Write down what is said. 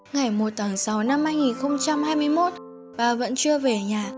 ngày một tháng sáu năm hai nghìn hai mươi một bà vẫn chưa về nhà